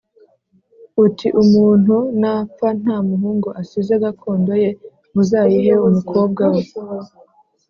uti umuntu napfa nta muhungu asize gakondo ye muzayihe umukobwa we